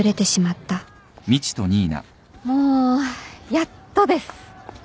もうやっとです。